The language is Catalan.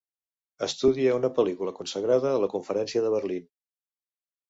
Estudia una pel·lícula consagrada a la conferència de Berlín.